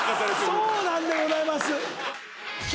そうなんでございます。